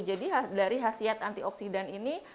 jadi dari hasil antioksidan ini